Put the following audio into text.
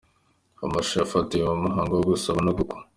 Amashusho yafatiwe mu muhango wo gusaba no gukwa.